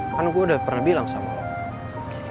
kan gua udah pernah bilang sama lu